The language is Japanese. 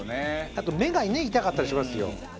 あと目がね痛かったりしますよ。